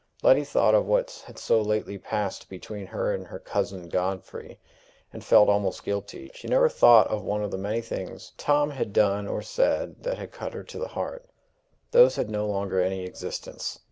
Letty thought of what had so lately passed between her and her cousin Godfrey, and felt almost guilty. She never thought of one of the many things Tom had done or said that had cut her to the heart; those had no longer any existence.